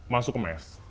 masuk ke mes